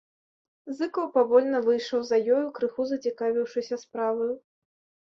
Зыкаў павольна выйшаў за ёю, крыху зацікавіўшыся справаю.